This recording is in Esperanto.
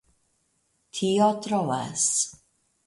Tio troas!